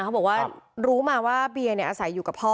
เขาบอกว่ารู้มาว่าเบียร์อาศัยอยู่กับพ่อ